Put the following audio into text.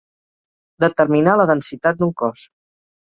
Determinar la densitat d'un cos.